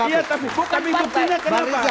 iya tapi buktinya kenapa